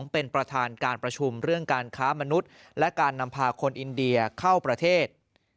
เป็นประธานการประชุมเรื่องการค้ามนุษย์และการนำพาคนอินเดียเข้าประเทศ